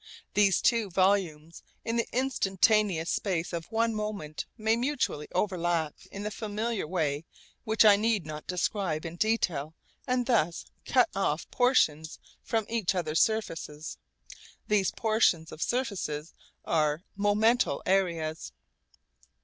These two volumes in the instantaneous space of one moment may mutually overlap in the familiar way which I need not describe in detail and thus cut off portions from each other's surfaces. These portions of surfaces are 'momental areas.'